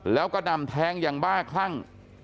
แล้วก็ดำแทงยังบ้าครั่ง